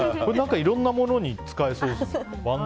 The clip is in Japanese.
いろんなものに使えそうですね。